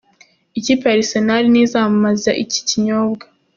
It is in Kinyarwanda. Ikipe ya Arsenal niyo izamamaza iki kinyobwa.